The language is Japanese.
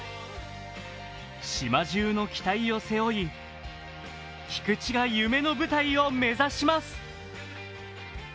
島じゅうの期待を背負い、菊地が夢の舞台を目指します！